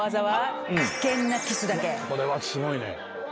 これはすごいね。